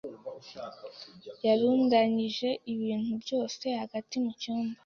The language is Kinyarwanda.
yarundanyije ibintu byose hagati mu cyumba.